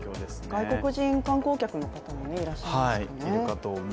外国人観光客の方もいらっしゃいますね。